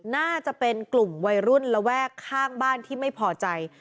น่าจะเป็นกลุ่มวัยรุ่นระแวกข้างบ้านที่ไม่พอใจ